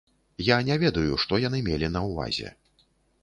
Я не ведаю, што яны мелі на ўвазе.